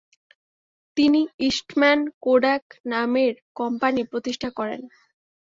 তিনি Eastman Kodak নামের company প্রতিষ্ঠা করেন।